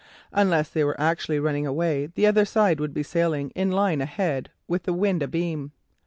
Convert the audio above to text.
Unless they were actually running away, the other side would be sailing in line ahead with the wind abeam.